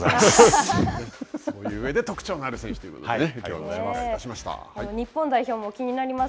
そういう上で、特徴のある選手ということですね。